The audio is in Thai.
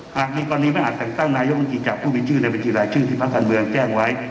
ข้างที่ก่อนนี้ไม่อาจตั้งตั้งนายกรมกีจับผู้มีชื่อในวิจิแลวชื่อที่พัฒนเมืองแจ้งไว้